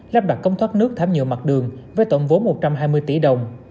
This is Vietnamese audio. lắp đặt cống thoát nước thảm nhựa mặt đường với tổng vốn một trăm hai mươi tỷ đồng